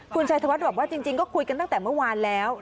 คุณชัยธวัฒน์บอกว่าจริงก็คุยกันตั้งแต่เมื่อวานแล้ว